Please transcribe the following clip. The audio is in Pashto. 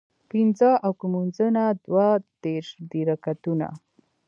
پينځۀ اوکه مونځونه دوه دېرش دي رکعتونه